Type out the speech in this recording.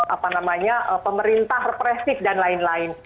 apa namanya pemerintah represif dan lain lain